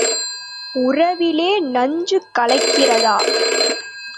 உறவிலே நஞ்சு கலக்கிறதா?